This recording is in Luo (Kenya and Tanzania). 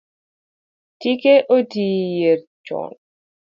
Tike oti yier chon